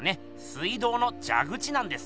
水道のじゃ口なんです。